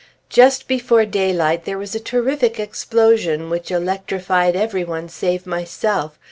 Just before daylight there was a terrific explosion which electrified every one save myself.